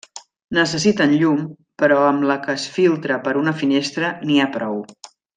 Necessiten llum però amb la que es filtra per una finestra n'hi ha prou.